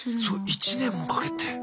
そう１年もかけて。